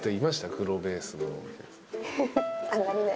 黒ベースの。